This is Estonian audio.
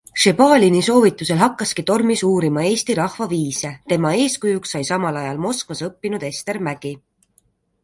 Šebalini soovitusel hakkaski Tormis uurima eesti rahvaviise, tema eeskujuks sai samal ajal Moskvas õppinud Ester Mägi.